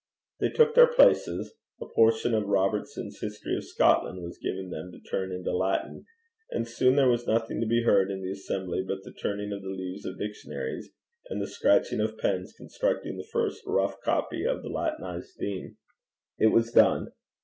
They took their places; a portion of Robertson's History of Scotland was given them to turn into Latin; and soon there was nothing to be heard in the assembly but the turning of the leaves of dictionaries, and the scratching of pens constructing the first rough copy of the Latinized theme. It was done.